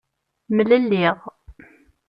Mlelliɣ.